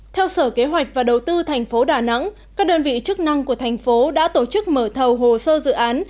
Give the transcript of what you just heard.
theo sở kế hoạch và đầu tư thành phố đà nẵng các đơn vị chức năng của thành phố đã tổ chức mở thầu hồ sơ dự án